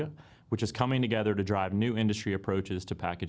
yang sedang berkumpul untuk mendirikan pendorongan industri baru kepada masalah penggunaan paket